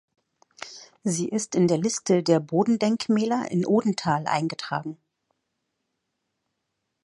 Sie ist in der Liste der Bodendenkmäler in Odenthal eingetragen.